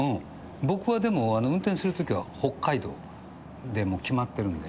僕はでも、運転するときは北海道で、もう決まってるんで。